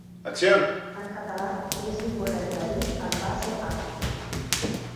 En català, és incorrecte dir "en base a".